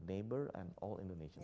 dan semua orang di indonesia